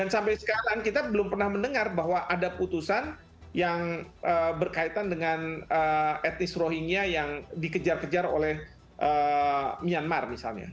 sampai sekarang kita belum pernah mendengar bahwa ada putusan yang berkaitan dengan etnis rohingya yang dikejar kejar oleh myanmar misalnya